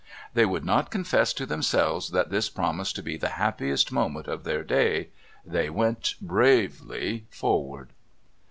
They would not confess to themselves that this promised to be the happiest moment of their day. They went bravely forward.